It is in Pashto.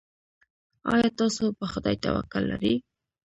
ایا تاسو په خدای توکل لرئ؟